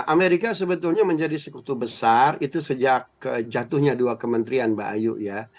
amerika sebetulnya menjadi sekutu besar itu sejak jatuhnya dua kementerian mbak ayu ya